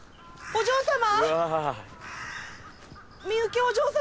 お嬢様！